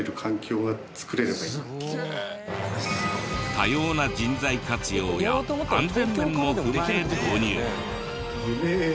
多様な人材活用や安全面も踏まえ導入。